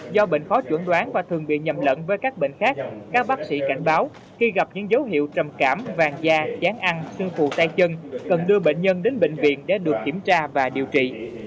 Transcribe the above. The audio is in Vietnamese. do bệnh khó chuẩn đoán và thường bị nhầm lẫn với các bệnh khác các bác sĩ cảnh báo khi gặp những dấu hiệu trầm cảm vàng dan ăn xương phù tay chân cần đưa bệnh nhân đến bệnh viện để được kiểm tra và điều trị